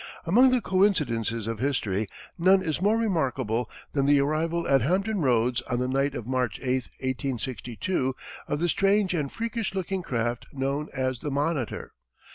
Among the coincidences of history, none is more remarkable than the arrival at Hampton Roads on the night of March 8, 1862, of the strange and freakish looking craft known as the Monitor.